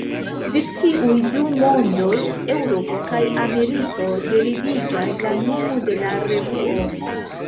De tiuj du "mondoj", Eŭropo kaj Ameriko, deriviĝas la nomo de la revuo.